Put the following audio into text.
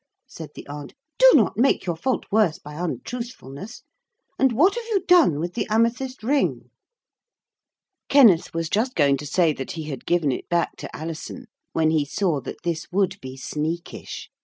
said the aunt, 'do not make your fault worse by untruthfulness. And what have you done with the amethyst ring?' Kenneth was just going to say that he had given it back to Alison, when he saw that this would be sneakish.